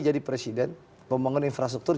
jadi presiden membangun infrastruktur